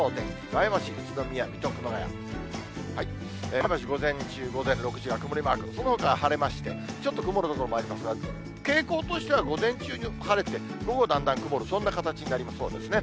前橋、午前中、午前６時が曇りマーク、そのほかは晴れまして、ちょっと曇る所もありますが、傾向としては、午前中に晴れて、午後だんだん曇る、そんな形になりそうですね。